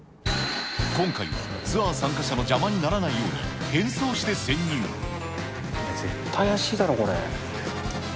今回はツアー参加者の邪魔に絶対怪しいだろ、これ。